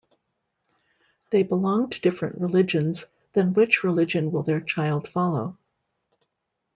They belong to different religions, then which religion will their children follow?